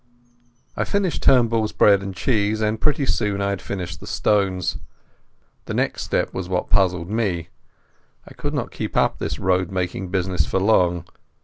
I finished Turnbull's bread and cheese, and pretty soon I had finished the stones. The next step was what puzzled me. I could not keep up this roadmaking business for long.